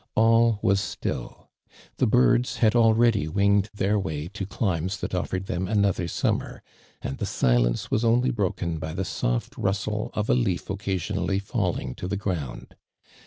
All was still. The birds had already winged their way to climes that ofi'ored them another summer, and the si'cnce was only broken by the soft rustle of a leaf occasionally fall ing to the ground.